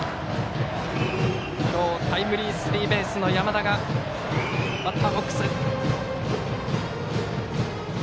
今日タイムリースリーベースの山田がバッターボックス。